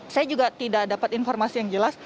saya juga tidak dapat informasi yang jelas